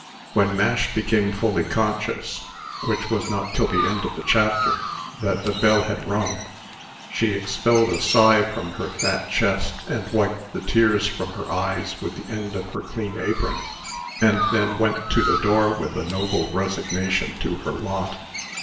When Mash became fully conscious (which was not till the end of the chapter) that the bell had rung, she expelled a sigh from her fat chest, and wiped the tears from her eyes with the end of her clean apron, and then went to the door with a noble resignation to her lot.